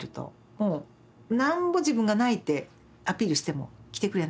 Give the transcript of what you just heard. もうなんぼ自分が泣いてアピールしても来てくれない。